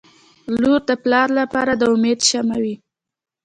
• لور د پلار لپاره د امید شمعه وي.